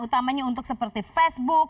utamanya untuk seperti facebook